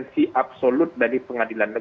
pemilu yang terkasih adalah penggunaan kekuatan